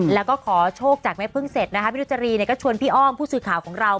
และก็ขอโชคจากแม่พึ่งเสร็จพี่นุจรีชวนพี่อ้อมผู้สวยข่าวของเรา